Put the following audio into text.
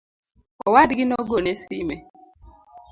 Owadgi nogone sime